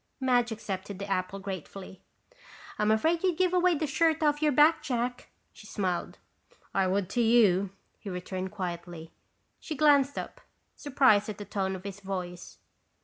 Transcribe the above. Madge accepted the apple gratefully. "I'm afraid you'd give away the shirt off your back, Jack," she smiled. "I would to you," he returned quietly. She glanced up, surprised at the tone of his voice.